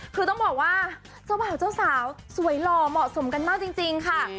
คือต้องบอกว่าเจ้าบ่าวเจ้าสาวสวยหล่อเหมาะสมกันมากจริงค่ะ